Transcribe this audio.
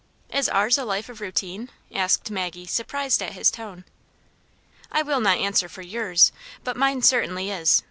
"Is ours a life of routine?" asked Maggie, sur prised at his tone. " I will not answer for yours, but mine certainly is.